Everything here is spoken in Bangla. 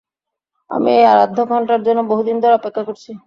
আমি এই আরাধ্য ক্ষণটার জন্য বহুদিন ধরে অপেক্ষা করেছি!